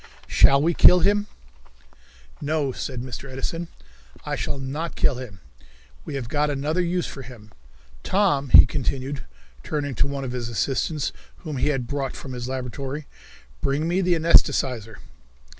Shall We Kill Him? "No," said Mr. Edison, "I shall not kill him. We have got another use for him. Tom," he continued, turning to one of his assistants, whom he had brought from his laboratory, "bring me the anaesthetizer."